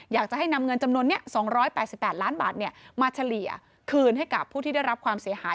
อยากจะให้นำเงินจำนวนนี้๒๘๘ล้านบาทมาเฉลี่ยคืนให้กับผู้ที่ได้รับความเสียหาย